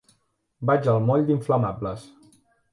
Vaig al moll d'Inflamables.